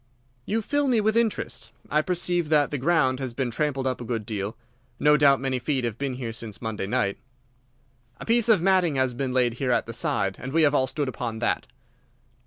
"You fill me with interest, I perceive that the ground has been trampled up a good deal. No doubt many feet have been here since Monday night." "A piece of matting has been laid here at the side, and we have all stood upon that."